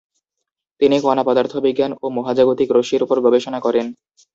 তিনি কণা পদার্থবিজ্ঞান ও মহাজাগতিক রশ্মির উপর গবেষণা করেন।